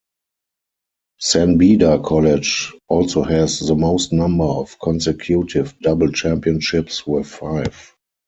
San Beda College also has the most number of consecutive double championships with five.